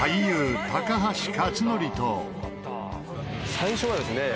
最初はですね